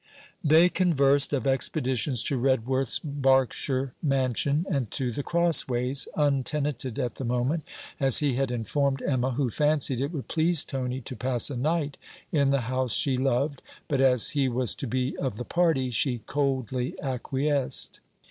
They conversed of expeditions to Redworth's Berkshire mansion, and to The Crossways, untenanted at the moment, as he had informed Emma, who fancied it would please Tony to pass a night in the house she loved; but as he was to be of the party she coldly acquiesced.